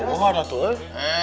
oh mana tuh eh